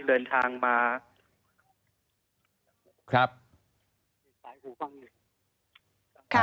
เดินทางมา